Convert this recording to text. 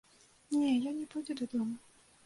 Не, ён не пойдзе дадому.